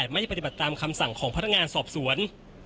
ไม่ปฏิบัติตามคำสั่งของพนักงานสอบสวน